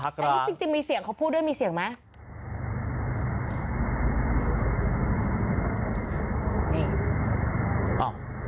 เขาพูดได้มีเสียงไหม